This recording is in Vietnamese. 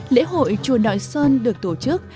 lễ hội chùa đoại sơn được tổ chức